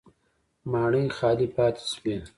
ماڼۍ خالي پاتې شوې